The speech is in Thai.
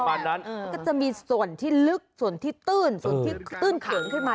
ประมาณนั้นมันก็จะมีส่วนที่ลึกส่วนที่ตื้นส่วนที่ตื้นเขินขึ้นมา